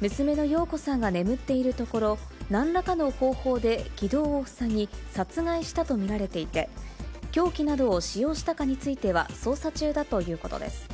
娘の庸子さんが眠っているところ、なんらかの方法で気道を塞ぎ、殺害したと見られていて、凶器などを使用したかについては、捜査中だということです。